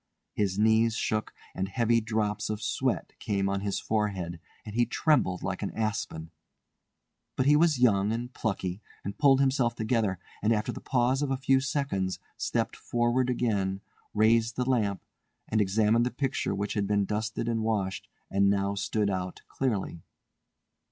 His knees shook, and heavy drops of sweat came on his forehead, and he trembled like an aspen. But he was young and plucky, and pulled himself together, and after the pause of a few seconds stepped forward again, raised the lamp, and examined the picture which had been dusted and washed, and now stood out clearly.